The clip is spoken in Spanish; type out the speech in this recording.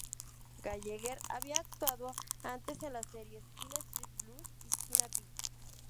Gallagher había actuado antes en las series "Hill Street Blues" y "China Beach".